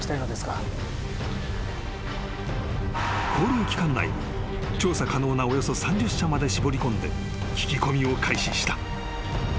［勾留期間内に調査可能なおよそ３０社まで絞りこんで聞き込みを開始した。